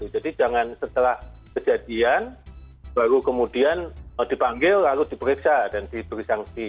jadi jangan setelah kejadian baru kemudian dipanggil lalu diperiksa dan diberi sanksi